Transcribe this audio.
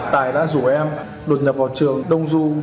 tài đã rủ em đột nhập vào trường đông du